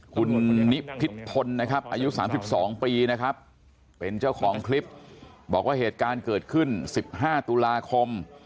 คุณนิพิษพลนะครับอายุ๓๒ปีนะครับเป็นเจ้าของคลิปบอกว่าเหตุการณ์เกิดขึ้น๑๕ตุลาคม